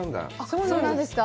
そうなんですよ。